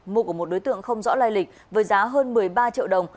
mua của một đối tượng không rõ lai lịch với giá hơn một mươi ba triệu đồng